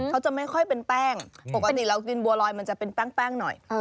เขาจะไม่ค่อยเป็นแป้งปกติเรากินบัวลอยมันจะเป็นแป้งหน่อย